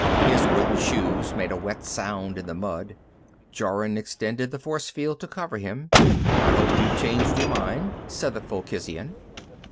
His wooden shoes made a wet sound in the mud. Jorun extended the force shield to cover him. "I hope you've changed your mind," said the Fulkhisian.